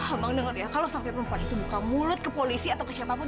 abang dengar ya kalau sampai perempuan itu buka mulut ke polisi atau ke siapapun